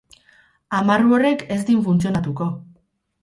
Amarru horrek ez din funtzionatuko.